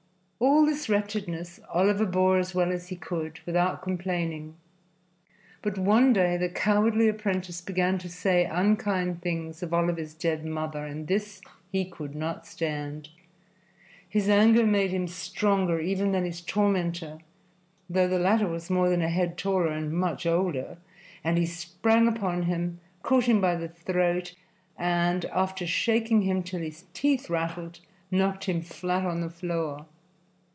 All this wretchedness Oliver bore as well as he could, without complaining. But one day the cowardly apprentice began to say unkind things of Oliver's dead mother, and this he could not stand. His anger made him stronger even than his tormentor, though the latter was more than a head taller and much older, and he sprang upon him, caught him by the throat and, after shaking him till his teeth rattled, knocked him flat on the floor.